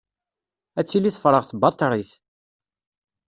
Ad tili tefreɣ tbaṭrit.